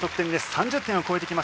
３０点を超えてきました。